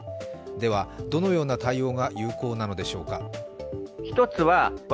では、どのような対応が有効なのでしょうか。